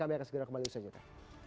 kami akan segera kembali bersama